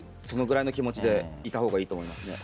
そのぐらいの気持ちでいた方がいいと思います。